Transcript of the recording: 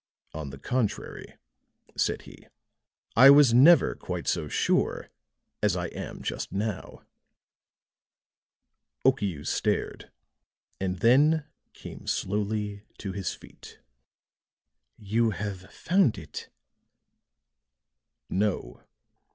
"On the contrary," said he, "I was never quite so sure as I am just now." Okiu stared, and then came slowly to his feet. "You have found it?" "No."